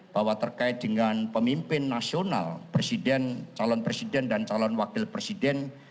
bahwa terkait dengan pemimpin nasional presiden calon presiden dan calon wakil presiden